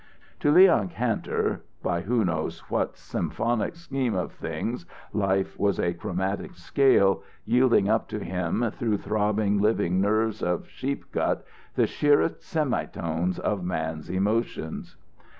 To Leon Kantor, by who knows what symphonic scheme of things, life was a chromatic scale, yielding up to him through throbbing, living nerves of sheep gut, the sheerest semitones of man's emotions.